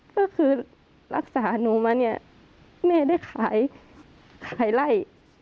ก็คือรักษาหนูมาเนี่ยแม่ได้ขายขายไล่